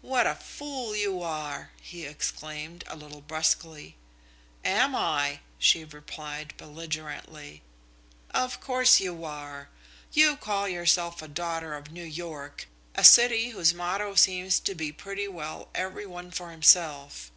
"What a fool you are!" he exclaimed, a little brusquely. "Am I!" she replied belligerently. "Of course you are! You call yourself a daughter of New York, a city whose motto seems to be pretty well every one for himself.